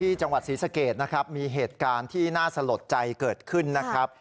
ที่จังหวัดศรีสะเกดนะครับมีเหตุการณ์ที่น่าสลดใจเกิดขึ้นนะครับ